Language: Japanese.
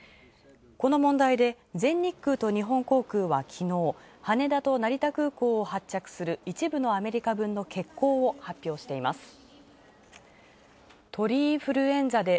この問題で全日本空輸と日本航空は昨日、羽田と成田空港を発着する一部の空港の停止を発表しています。